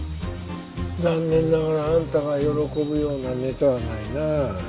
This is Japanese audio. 残念ながらあんたが喜ぶようなネタはないなあ。